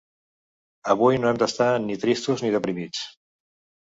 Avui no hem d’estar ni tristos ni deprimits.